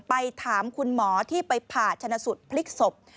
ไปถามคุณหมอที่ไปผ่าชนะสูตรพลิกศพ